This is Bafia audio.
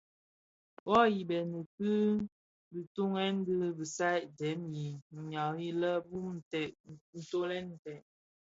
Wuo ibëňi ki bitughe dhi bisai bi dèm bi nwari lè bum ntèd ntolè nted.